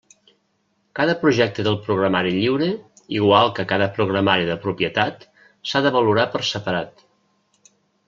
Cada projecte de programari lliure, igual que cada programari de propietat, s'ha de valorar per separat.